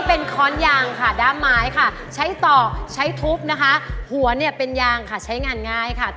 เอาไปทำอะไรฮะสาราคนสาราคน